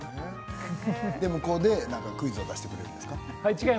これでクイズを出してくれるんですか？